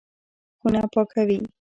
خونه پاکوي.